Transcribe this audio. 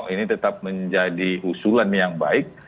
ini tetap menjadi usulan yang baik